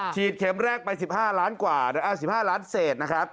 ฉีดเข็มแรกไป๑๕ล้านเศษนะฮะ